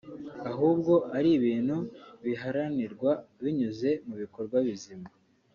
ahubwo ari ibintu biharanirwa binyuze mu bikorwa bizima